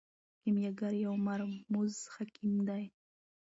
کیمیاګر یو مرموز حکیم دی.